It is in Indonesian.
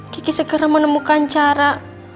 kiki segera menemukan cara